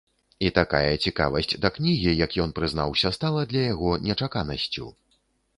І такая цікавасць да кнігі, як ён прызнаўся, стала для яго нечаканасцю.